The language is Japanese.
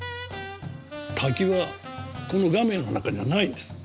滝はこの画面の中にはないんです。